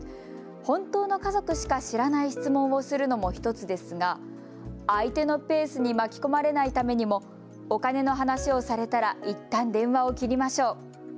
本当の家族しか知らない質問をするのも１つですが相手のペースに巻き込まれないためにも、お金の話をされたらいったん電話を切りましょう。